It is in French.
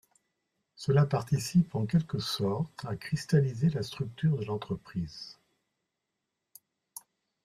Cela participe en quelque sorte à cristalliser la structure de l'entreprise.